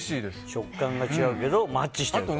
食感が違うけどマッチしてると。